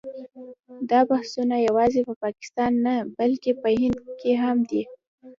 دا بحثونه یوازې په پاکستان کې نه بلکې په هند کې هم دي.